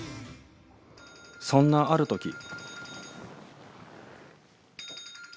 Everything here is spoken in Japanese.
そんなある時